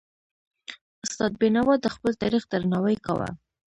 استاد بينوا د خپل تاریخ درناوی کاوه.